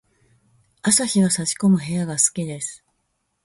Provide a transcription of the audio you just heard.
朝日が差し込む部屋が好きです。